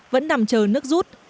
vẫn nằm chờ nước rút